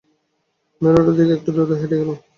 মেইনরোডের দিকে একটু দ্রুতই হেঁটে গেলাম।